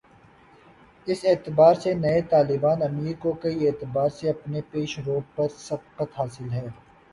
اس اعتبار سے نئے طالبان امیر کو کئی اعتبار سے اپنے پیش رو پر سبقت حاصل ہے۔